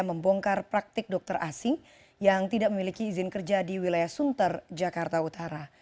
membongkar praktik dokter asing yang tidak memiliki izin kerja di wilayah sunter jakarta utara